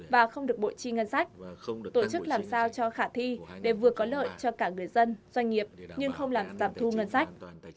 và không được bội chi ngân sách tổ chức làm sao cho khả thi để vừa có lợi cho cả người dân doanh nghiệp nhưng không làm giảm thu ngân sách